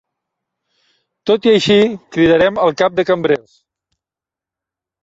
Tot i així, cridarem el cap de cambrers.